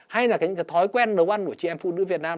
hay là những thói quen đấu ăn của chị em phụ nữ việt nam